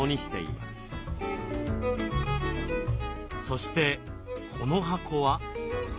そしてこの箱は？